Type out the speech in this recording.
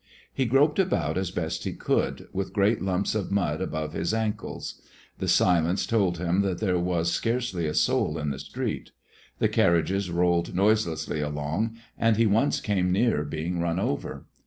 He groped about as best he could, with great lumps of mud above his ankles. The silence told him that there was scarcely a soul on the street. The carriages rolled noiselessly along, and he once came near being run over.